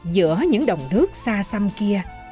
giữa những đồng nước xa xăm kia